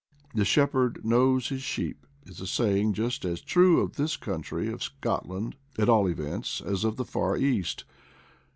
" The shepherd knows his sheep,* ' is a saying just as true of this country — of Scotland, at all events — as of the far East.